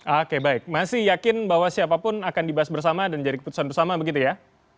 oke baik masih yakin bahwa siapapun akan dibahas bersama dan jadi keputusan bersama begitu ya